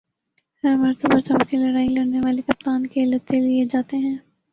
ہر مرتبہ چومکھی لڑائی لڑنے والے کپتان کے لتے لیے جاتے ہیں ۔